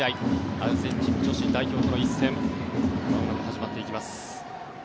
アルゼンチン女子代表との一戦まもなく始まっていきます。